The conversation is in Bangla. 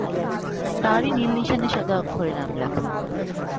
তারই নীল নিশানে সাদা অক্ষরে নাম লেখা।